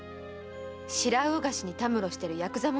白魚河岸にたむろしているやくざ者よ。